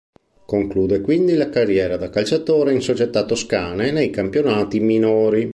Conclude quindi la carriera da calciatore in società toscane nei campionati minori.